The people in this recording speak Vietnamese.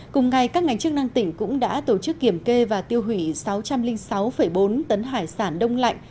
cùng ngày các ngành chức năng tỉnh cũng đã tổ chức kiểm kê và tiêu hủy sáu trăm linh sáu bốn tấn hải sản đông lạnh